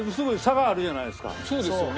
そうですよね。